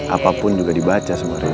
apapun juga dibaca semua krenah